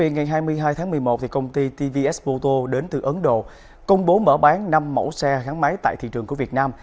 ngày hai mươi hai tháng một mươi một công ty tvs boto đến từ ấn độ công bố mở bán năm mẫu xe gắn máy tại thị trường của việt nam